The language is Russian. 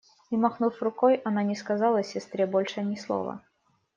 И, махнув рукой, она не сказала сестре больше ни слова.